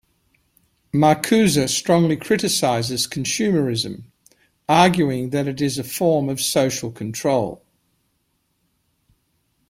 Marcuse strongly criticizes consumerism, arguing that it is a form of social control.